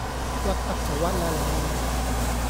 屈得就屈啦你